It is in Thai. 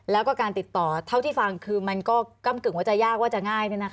แล้วก็การติดต่อเท่าที่ฟังคือมันก็ก้ำกึ่งว่าจะยากว่าจะง่าย